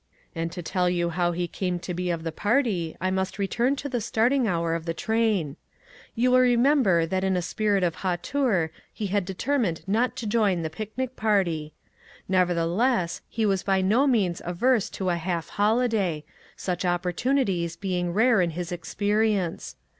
And to tell you how he came to be of the party, I must return to the starting hour of the train. You will remember that in a spirit of hauteur he had determined not to join SEVERAL STARTLING POINTS. 135 the picnic party. Nevertheless, he was by no means averse to a half holiday, such opportunities being rare in his experience.